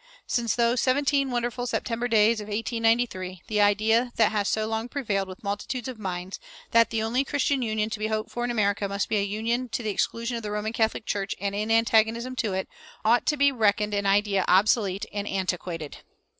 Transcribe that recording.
Since those seventeen wonderful September days of 1893, the idea that has so long prevailed with multitudes of minds, that the only Christian union to be hoped for in America must be a union to the exclusion of the Roman Catholic Church and in antagonism to it, ought to be reckoned an idea obsolete and antiquated.